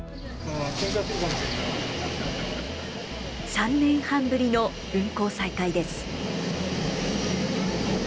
３年半ぶりの運航再開です。